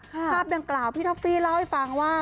ภาพดังกล่าวพี่ท็อฟฟี่เล่าให้ฟังว่า